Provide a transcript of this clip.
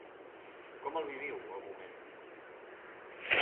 Com el viviu, el moment?